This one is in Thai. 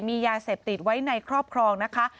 มียาเสพติดไว้ในครอบครองนะคะ